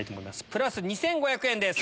プラス２５００円です。